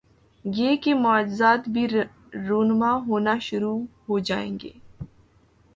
گے اور معجزات بھی رونما ہونا شرو ع ہو جائیں گے۔